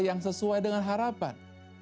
yang sesuai dengan harapan